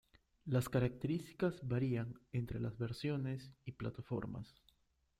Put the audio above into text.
Las características varían entre las versiones y plataformas.